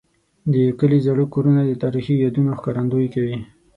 د کلي زاړه کورونه د تاریخي یادونو ښکارندوي کوي.